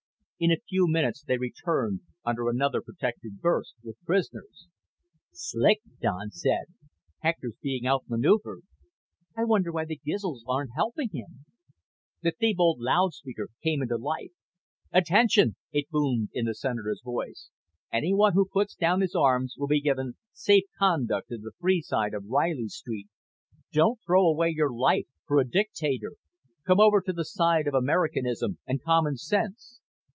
In a few minutes they returned, under another protective burst, with prisoners. "Slick," Don said. "Hector's being outmaneuvered." "I wonder why the Gizls aren't helping him." The Thebold loudspeaker came to life. "Attention!" it boomed in the Senator's voice. "Anyone who puts down his arms will be given safe conduct to the free side of Reilly Street. Don't throw away your life for a dictator. Come over to the side of Americanism and common sense."